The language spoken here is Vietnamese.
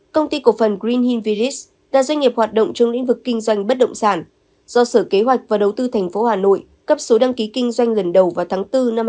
công ty cổ phần green hill village là doanh nghiệp hoạt động trong lĩnh vực kinh doanh bất động sản do sở kế hoạch và đầu tư thành phố hà nội cấp số đăng ký kinh doanh lần đầu vào tháng bốn năm hai nghìn một mươi tám